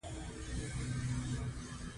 سیاسي مخالفت باید شدید وي.